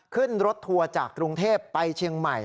ขึ้นรถทัวร์จากกรุงเทพไปเชียงใหม่